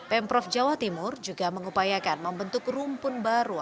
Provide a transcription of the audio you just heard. pemprov jawa timur juga mengupayakan membentuk rumpun baru